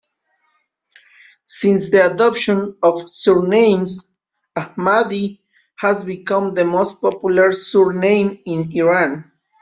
Since the adoption of surnames, Ahmadi has become the most popular surname in Iran.